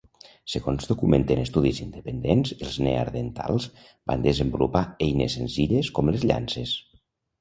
Segons documenten estudis independents, els neandertals van desenvolupar eines senzilles com les llances.